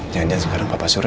jangan jangan sekarang papa sore